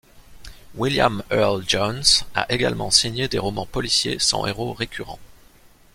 William Earl Johns a également signé des romans policiers sans héros récurrent.